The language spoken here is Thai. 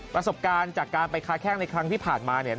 ประสบการณ์จากการไปค้าแข้งในครั้งที่ผ่านมาเนี่ย